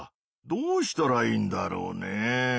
どうしたらいいんだろうね。